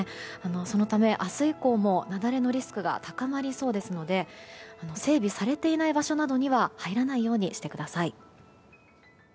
そのため明日以降も雪崩のリスクが高まりそうですので整備されていない場所などには入らないようにしてください。